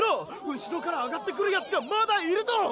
後ろから上がってくるヤツがまだいるぞ！